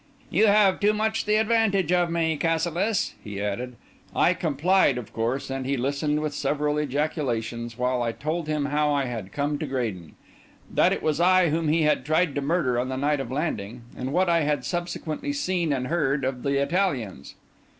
"You have too much the advantage of me, Cassilis," he added. I complied of course; and he listened, with several ejaculations, while I told him how I had come to Graden: that it was I whom he had tried to murder on the night of landing; and what I had subsequently seen and heard of the Italians.